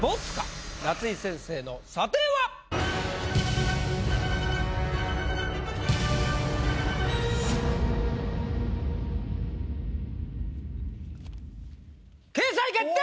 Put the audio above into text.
夏井先生の査定は⁉掲載決定！